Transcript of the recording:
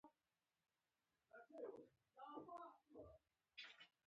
انار د عصبي نظام پیاوړی کوي.